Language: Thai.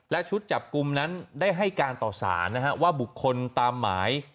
และชุดจับกลุ่มนั้นได้ให้การต่อสารว่าบุคคลตามหมาย